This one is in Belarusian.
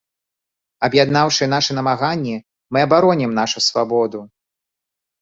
Аб'яднаўшы нашы намаганні, мы абаронім нашу свабоду!